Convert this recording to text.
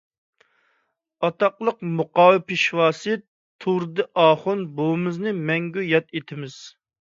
ئاتاقلىق مۇقام پېشۋاسى تۇردى ئاخۇن بوۋىمىزنى مەڭگۈ ياد ئېتىمىز.